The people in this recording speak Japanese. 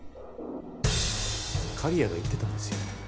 刈谷が言ってたんですよ。